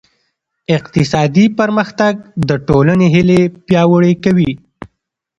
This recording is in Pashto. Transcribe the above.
اقتصادي پرمختګ د ټولنې هیلې پیاوړې کوي.